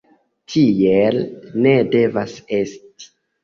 Tiel ne devas esti!